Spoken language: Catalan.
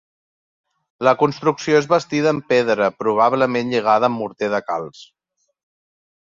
La construcció és bastida en pedra, probablement lligada amb morter de calç.